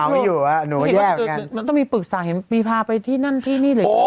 มันต้องมีปรึกษาไงมีพาไปที่นั่นที่นี่หรือ